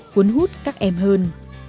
cuốn hút các em hơn